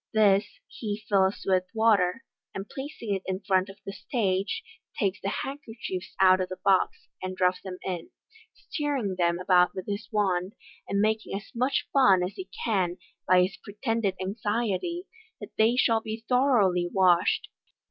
This he fills with water, and placing it in front of the stag*;, takes the handkerchiefs out of the box, and drops them in, stirring them about with his wand j and making as much fun as he can by his pretended anxiety that they shall be thoroughly washed.